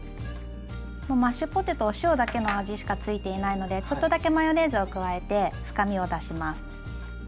マッシュポテトお塩だけの味しかついていないのでちょっとだけマヨネーズを加えて深みを出します。